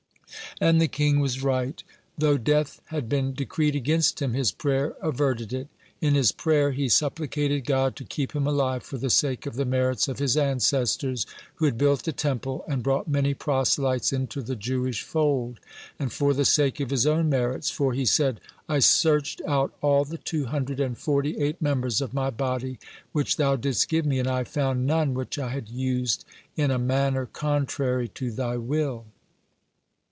(75) And the king was right. Though death had been decreed against him, his prayer averted it. In his prayer he supplicated God to keep him alive for the sake of the merits of his ancestors, who had built the Temple and brought many proselytes into the Jewish fold, and for the sake of his own merits, for, he said, "I searched out all the two hundred and forty eight members of my body which Thou didst give me, and I found none which I had used in a manner contrary to Thy will."